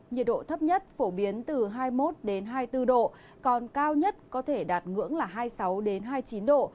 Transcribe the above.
nhiệt độ thấp nhất phổ biến từ hai mươi một hai mươi bốn độ còn cao nhất có thể đạt ngưỡng là hai mươi sáu hai mươi chín độ